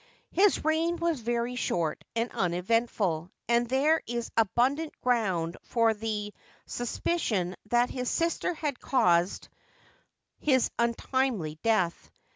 His reign was very short and uneventful, and there is abundant ground for tne sus picion that his sister had caused his untimely death.